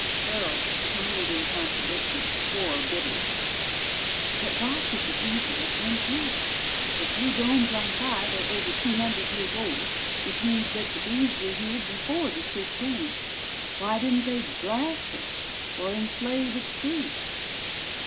Farrell, tangled in contradictions, swore bitterly. "But why should the Bees let them through? The three domes on Five are over two hundred years old, which means that the Bees were here before the ship came. Why didn't they blast it or enslave its crew?"